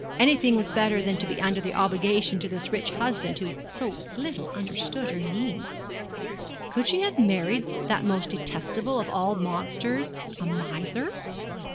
Anything was better than to be under an obligation to this rich husband who so little understood her needs. Could she have married that most detestable of all monsters, a miser?